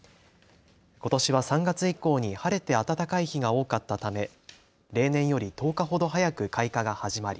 ことしは３月以降に晴れて暖かい日が多かったため例年より１０日ほど早く開花が始まり